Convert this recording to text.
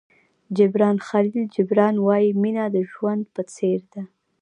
جبران خلیل جبران وایي مینه د ژوند په څېر ده.